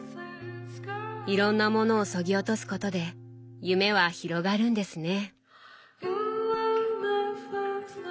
いろんなものをそぎ落とすことで夢は広がるんですね。